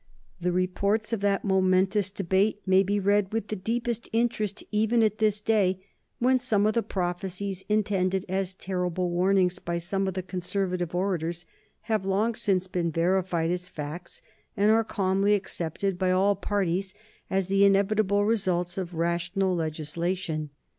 The reports of that momentous debate may be read with the deepest interest even at this day, when some of the prophecies intended as terrible warnings by some of the Conservative orators have long since been verified as facts, and are calmly accepted by all parties as the inevitable results of rational legislation.